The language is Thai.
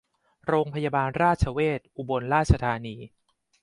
โรงพยาบาลราชเวชอุบลราชธานี